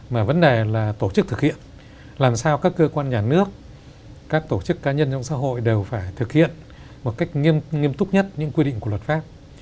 mà vấn đề là tổ chức thực hiện làm sao các cơ quan nhà nước các tổ chức cá nhân trong xã hội đều phải thực hiện một cách nghiêm túc nhất những quy định của luật pháp